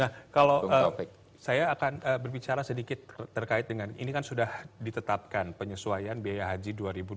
nah kalau saya akan berbicara sedikit terkait dengan ini kan sudah ditetapkan penyesuaian biaya haji dua ribu dua puluh